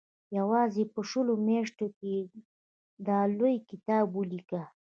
یوازې په شلو میاشتو کې یې دا لوی کتاب ولیکه.